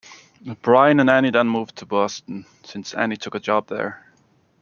Bryan and Annie then move to Boston, since Annie took a job there.